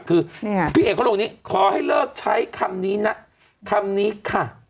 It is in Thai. คือพี่เอกเขาลงนี้ขอให้เลิกใช้คำนี้นะคำนี้ค่ะ